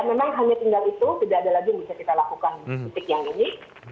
memang hanya tinggal itu tidak ada lagi yang bisa kita lakukan di titik yang ini